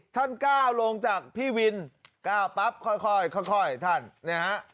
ท่านก้าวลงจากพี่วินก้าวปั๊บค่อยค่อยค่อยค่อยท่านนี่ฮะ